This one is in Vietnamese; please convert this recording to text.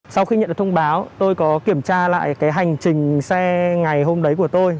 sau khi nhận được thông báo tôi có kiểm tra lại cái hành trình xe ngày hôm đấy của tôi